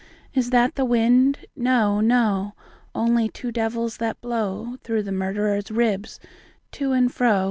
Is that the wind ? No, no ; Only two devils, that blow Through the murderer's ribs to and fro.